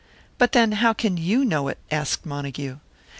"But then, how can YOU know it?" asked Montague.